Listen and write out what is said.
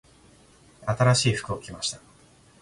新しい服を着ました。